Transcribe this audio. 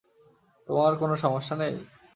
তোমার কোন সমস্যা নেই?